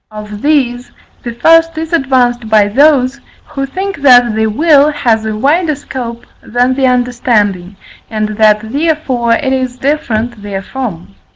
Of these, the first is advanced by those, who think that the will has a wider scope than the understanding, and that therefore it is different therefrom.